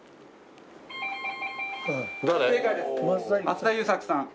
松田優作さん。